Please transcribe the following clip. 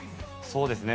そうですね。